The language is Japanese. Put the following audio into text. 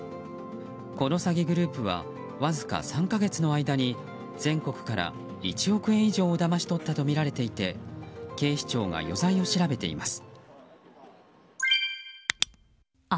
この詐欺グループはわずか３か月の間に全国から１億円以上をだまし取ったとみられていて警視庁が余罪を調べています。